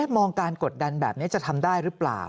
มองการกดดันแบบนี้จะทำได้หรือเปล่า